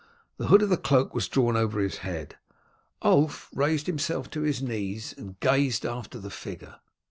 The hood of the cloak was drawn over his head. Ulf raised himself to his knees and gazed after the figure.